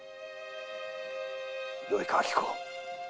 よいか秋子。